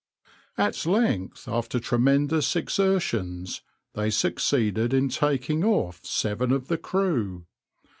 At length, after tremendous exertions, they succeeded in taking off seven of the crew.